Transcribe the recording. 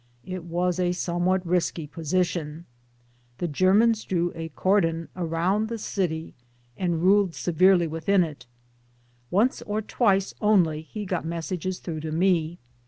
It was a somewhat risky position. The Germans drew TRANSLATIONS AND, TRANSLATORS 279 a cordon round thfc city, and ruled severely within it. Once or twice only he got messages through to me.